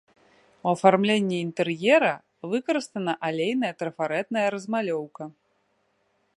У афармленні інтэр'ера выкарыстана алейная трафарэтная размалёўка.